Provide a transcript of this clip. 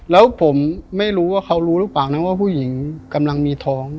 แล้วผมไม่รู้ว่าเขารู้หรือเปล่านะว่าผู้หญิงกำลังมีท้อง